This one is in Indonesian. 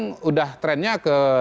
sudah trendnya ke